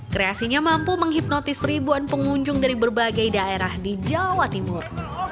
kreasinya mampu menghipnotis ribuan pengunjung dari berbagai daerah di jawa timur